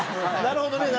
なるほどね！